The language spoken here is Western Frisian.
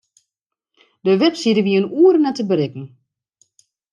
De webside wie in oere net te berikken.